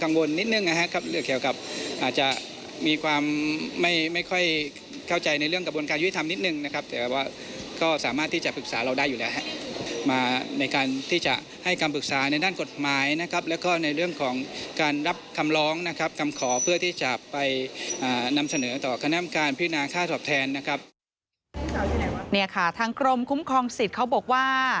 นี่ค่ะทางกรมคุ้มครองสิทธิ์เขาบอกว่า